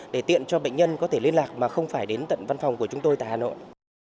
để tiện cho bệnh nhân có thể liên lạc mà không phải đến tận văn phòng của chúng tôi tại hà nội